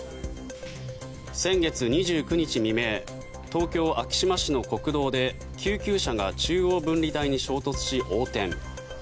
先月２９日未明東京・昭島市の国道で救急車が中央分離帯に衝突し横転。